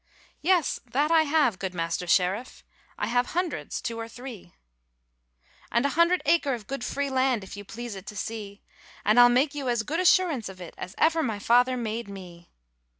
'Yes, that I have, good Master Sheriff, I have hundreds two or three. 'And a hundred aker of good free land, If you please it to see; And Fie make you as good assurance of it As ever my father made me.'